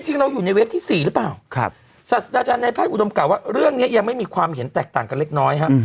จริงเราอยู่ในเว็บที่๔หรือเปล่าศาสตราจารย์ในแพทย์อุดมกล่าวว่าเรื่องนี้ยังไม่มีความเห็นแตกต่างกันเล็กน้อยฮะ